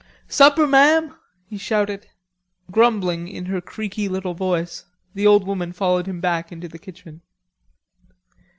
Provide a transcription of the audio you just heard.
"Supper, ma'am," he shouted. Grumbling in her creaky little voice, the old woman followed him back into the kitchen.